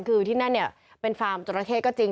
คือที่นั่นเนี่ยเป็นฟาร์มจราเข้ก็จริง